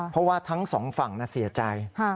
เพราะว่าทั้งสองฝั่งเสียใจ